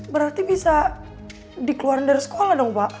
berarti bisa dikeluarkan dari sekolah dong pak